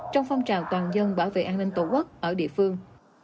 trong phong trào toàn dân bảo vệ an ninh tổ quốc ở địa phương